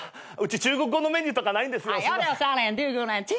うち中国語のメニューとかないんですよ。